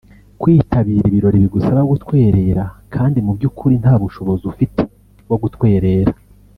Kwitabira ibirori bigusaba gutwerera kandi mu by’ukuri nta bushobozi ufite bwo gutwerera